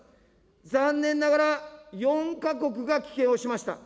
残念ながら、４か国が棄権をしました。